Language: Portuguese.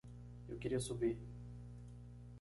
Eu queria subir.